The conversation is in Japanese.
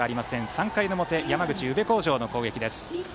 ３回の表、山口・宇部鴻城の攻撃。